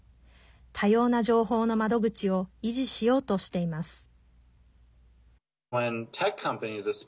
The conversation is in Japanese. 多様な情報の窓口を維持しようとしています。